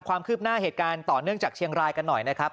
ความคืบหน้าเหตุการณ์ต่อเนื่องจากเชียงรายกันหน่อยนะครับ